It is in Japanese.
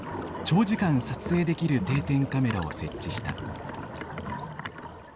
長時間撮影できる定点カメラを設置した。